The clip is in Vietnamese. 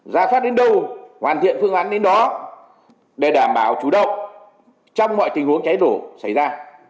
ra soát đến đâu hoàn thiện phương án đến đó để đảm bảo chủ động trong mọi tình huống cháy nổ xảy ra